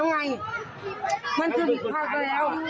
มีใจมั้ยคุณสาย